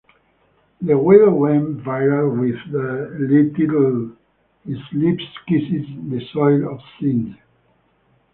The will went viral with the title "his lips kissed the soil of Sindh".